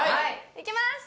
いきます！